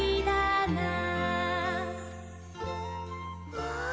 わあ！